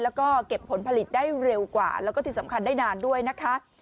แล้วก็เก็บผลผลิตได้เร็วกว่าแล้วก็ที่สำคัญได้นานด้วยนะคะ